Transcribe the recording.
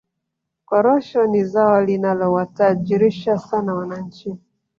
korosho ni zao linalowatajirisha sana wananchi